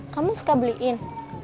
kamu suka beliin